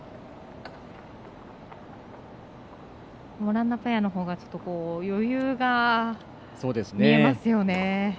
オランダペアのほうが余裕が見えますよね。